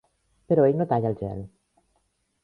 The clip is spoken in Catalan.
Però ell no talla el gel.